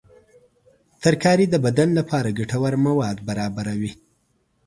ترکاري د بدن لپاره ګټور مواد برابروي.